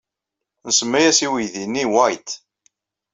Nsemma-as i uydi-nni White.